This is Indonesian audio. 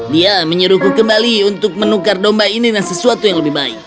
dia menyuruhku kembali untuk menukar domba ini dengan sesuatu yang lebih baik